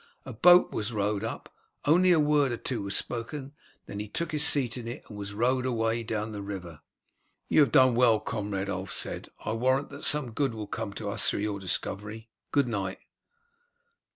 A boat was rowed up. Only a word or two was spoken, and then he took his seat in it, and it was rowed away down the river." "You have done well, comrade," Ulf said. "I warrant that some good will come to us through your discovery. Good night."